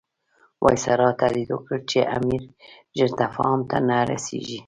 وایسرا تهدید وکړ چې که امیر ژر تفاهم ته نه رسیږي.